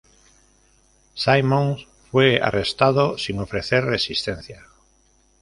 Simmons fue arrestado sin ofrecer resistencia.